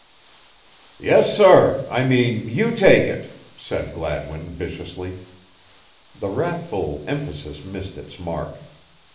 "Yes, sorr, I mean, you take it!" said Gladwin viciously. The wrathful emphasis missed its mark.